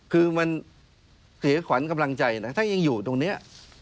คือมันเสียขวัญกำลังใจนะถ้ายังอยู่ตรงนี้